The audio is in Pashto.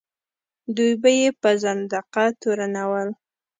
دوی به یې په زندقه تورنول.